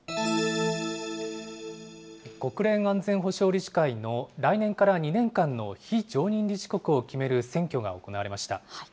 国連安全保障理事会の来年から２年間の非常任理事国を決める選挙が行われました。